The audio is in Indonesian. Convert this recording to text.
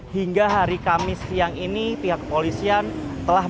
hingga hari kamis siang ini pihak kepolisian telah memperbaiki